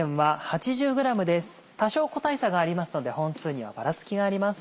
多少個体差がありますので本数にはばらつきがあります。